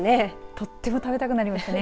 とても食べたくなりましたね。